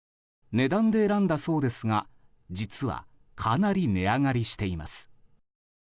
値段で選んだそうですが実はかなり値上がりしています。